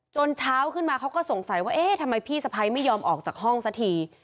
เช้าขึ้นมาเขาก็สงสัยว่าเอ๊ะทำไมพี่สะพ้ายไม่ยอมออกจากห้องสักที